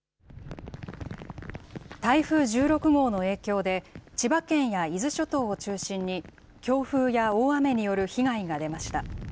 台風１６号の影響で、千葉県や伊豆諸島を中心に、強風や大雨による被害が出ました。